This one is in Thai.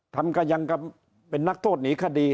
ก็ยังเป็นนักโทษหนีคดี